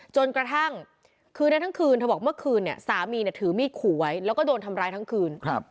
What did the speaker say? จนกระทั่งคืนนั้นทั้งคืนเธอบอกเมื่อคืนเนี่ยสามีถือมีดขู่ไว้แล้วก็โดนทำร้ายทั้งคืน